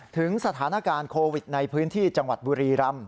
ถึงสถานการณ์โควิดในพื้นที่จังหวัดบุรีรำ